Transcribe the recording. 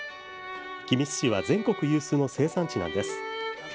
君津市は全国有数の生産地なんです。